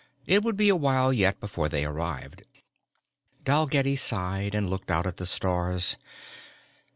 It would be awhile yet before they arrived. Dalgetty sighed and looked out at the stars.